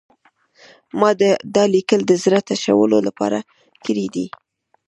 ما دا لیکل د زړه تشولو لپاره کړي دي